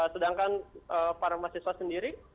sedangkan para mahasiswa sendiri